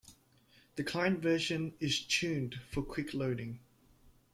The Client version is tuned for quick loading.